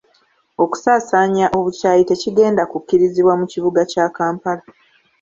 Okusaasaanya obukyayi tekigenda kukkirizibwa mu kibuga kya Kampala .